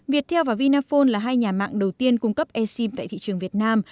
viettel và vinaphone là hai nhà mạng đầu tiên cung cấp e sim tại thị trường việt nam